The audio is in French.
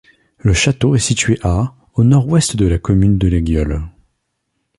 Le château est situé à au nord-ouest de la commune de Laguiole.